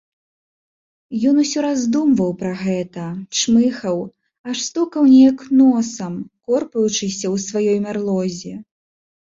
Ён усё раздумваў пра гэта, чмыхаў, аж стукаў неяк носам, корпаючыся ў сваёй мярлозе.